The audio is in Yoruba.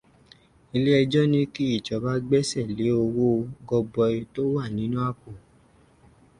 Ilé ẹjọ́ ní kí ìjọba gbẹ́sẹ̀ lé owó gọbọi tó wà nínú àpò.